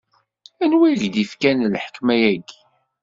Anwa i k-d-ifkan lḥekma-agi?